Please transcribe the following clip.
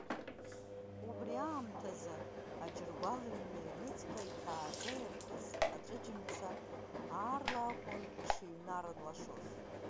Убри аамҭаз аџьыргәалҩны аҩнуҵҟа иҭааӡа иаркыз аҵәыџьмца аарла акәын ишыҩнарлашоз.